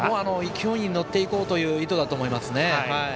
勢いに乗っていくという意図だと思います。